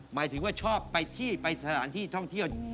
หมายถึงว่าชอบไปที่ไปสถานที่ท่องเที่ยว